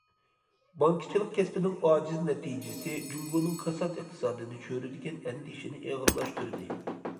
بانكىچىلىق كەسپىنىڭ ئاجىز نەتىجىسى جۇڭگونىڭ كاسات ئىقتىسادىنى چۆرىدىگەن ئەندىشىنى ئېغىرلاشتۇردى.